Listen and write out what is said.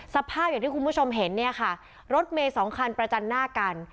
สภาพอย่างที่คุณผู้ชมเห็นเนี่ยค่ะรถเมย์สองคันประจันหน้ากัน